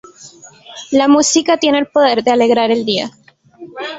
La música tiene el poder de alegrar el día.